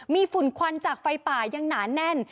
มีฝุ่นควันจากไฟป่ายังหนาแน่น